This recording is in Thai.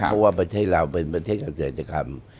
เพราะว่าประเทศเราเป็นประเทศเกษตรกรรม